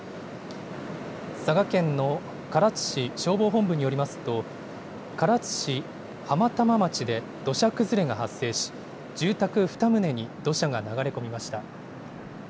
佐賀県の唐津市消防本部によりますと、唐津市浜玉町で土砂崩れが発生し、住宅２棟に土砂が流れ込みました。